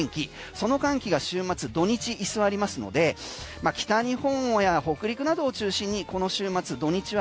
その寒気が週末土日居座りますので北日本や北陸などを中心にこの週末、土日は